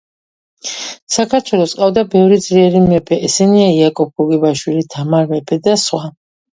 საქართველოს ყავდა ბევრი ძლიერი მეფე ესენია იაკობ გოგბაშვილი თამარ მეფე და სხვა